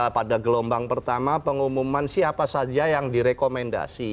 pada gelombang pertama pengumuman siapa saja yang direkomendasi